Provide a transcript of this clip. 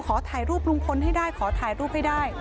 ขอถ่ายรูปลุงพลให้ได้ขอถ่ายรูปให้ได้